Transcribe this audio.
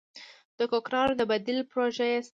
د کوکنارو د بدیل پروژې شته؟